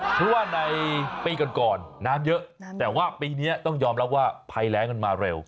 เพราะว่าในปีก่อนน้ำเยอะแต่ว่าปีนี้ต้องยอมรับว่าภัยแรงมันมาเร็ว